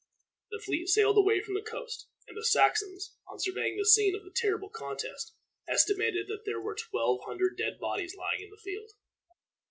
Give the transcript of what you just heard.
The fleet sailed away from the coast, and the Saxons, on surveying the scene of the terrible contest, estimated that there were twelve hundred dead bodies lying in the field.